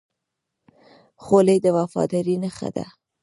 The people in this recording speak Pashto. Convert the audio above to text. خولۍ د وفادارۍ نښه ده.